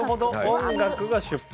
「音楽」が出発。